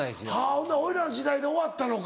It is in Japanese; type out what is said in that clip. ほんなら俺らの時代で終わったのか。